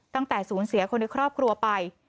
ตั้งแต่ศูนย์เสียคนในครอบครัวไป